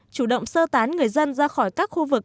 chủ động sơ tán người dân ra khỏi các khu vực